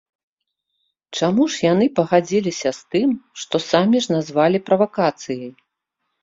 Чаму ж яны пагадзіліся з тым, што самі ж назвалі правакацыяй?